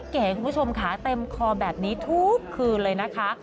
เก๋คุณผู้ชมขาเต็มคอแบบนี้ทุกคืนเลยนะคะ